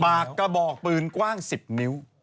ปากกระบอกปืนกว้าง๑๐นิ้ว